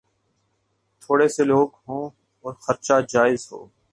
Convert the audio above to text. تھوڑے سے لوگ ہوں اور خرچا جائز ہو۔